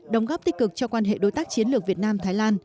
đóng góp tích cực cho quan hệ đối tác chiến lược việt nam thái lan